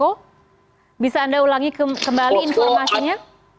oh bisa anda ulangi kembali informasinya